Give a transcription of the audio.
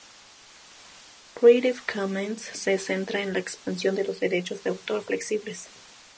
Creative Commons se centra en la expansión de los derechos de autor flexibles.